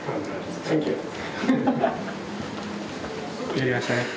やりましたね。